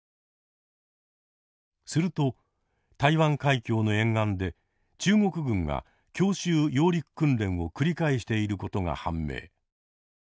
すると台湾海峡の沿岸で中国軍が強襲揚陸訓練を繰り返していることが判明。